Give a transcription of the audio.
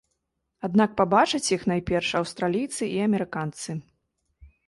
Аднак пабачаць іх найперш аўстралійцы і амерыканцы.